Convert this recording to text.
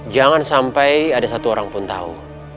jangan sampai ada satu orang pun tahu